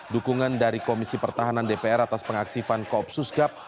dukungan dari komisi pertahanan dpr atas pengaktifan koopsus gap